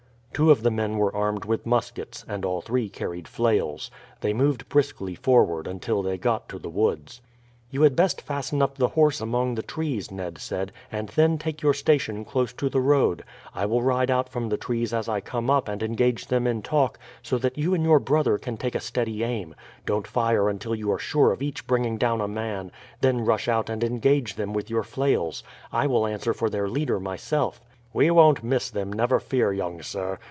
Two of the men were armed with muskets, and all three carried flails. They moved briskly forward until they got to the woods. "You had best fasten up the horse among the trees," Ned said, "and then take your station close to the road. I will ride out from the trees as I come up and engage them in talk, so that you and your brother can take a steady aim. Don't fire until you are sure of each bringing down a man, then rush out and engage them with your flails. I will answer for their leader myself." "We won't miss them, never fear, young sir.